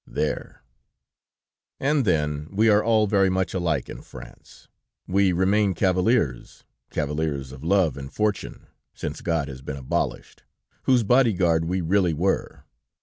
There! "And then, we are all very much alike in France; we remain cavaliers, cavaliers of love and fortune, since God has been abolished, whose body guard we really were.